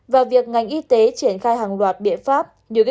và việc ngành y tế triển khai hàng loạt biện pháp